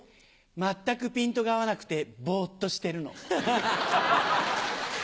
全くピントが合わなくてぼっとしてるの。